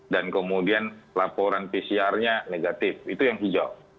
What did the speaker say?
dan kemudian laporan pcr nya negatif itu yang hijau